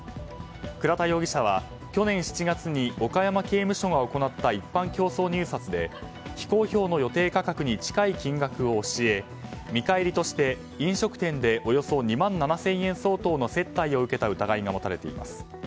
倉田容疑者は去年７月に岡山刑務所が行った一般競争入札で非公表の予定価格に近い金額を教え見返りとして飲食店でおよそ２万７０００円相当の接待を受けた疑いが持たれています。